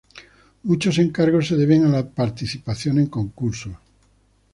Muchos encargos se deben a la participación en concursos.